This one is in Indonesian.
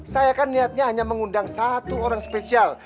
saya kan niatnya hanya mengundang satu orang spesial